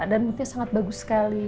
dan sebetulnya sangat bagus sekali